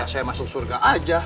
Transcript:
saya masuk surga aja